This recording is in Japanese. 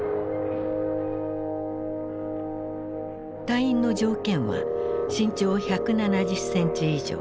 隊員の条件は身長１７０センチ以上。